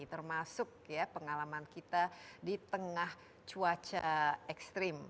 termasuk pengalaman kita di tengah cuaca ekstrim